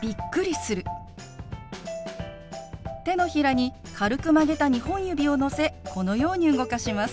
手のひらに軽く曲げた２本指をのせこのように動かします。